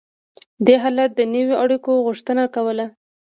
دې حالت د نویو اړیکو غوښتنه کوله.